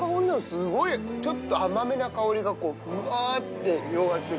すごいちょっと甘めな香りがこうブワーッて広がってくる。